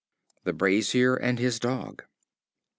The Brazier and His Dog.